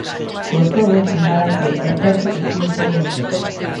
Con todo, sinalan que "é certo que xullo foi moi seco".